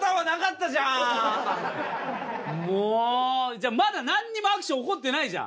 もう、じゃあ、まだなんにもアクション起こってないじゃん。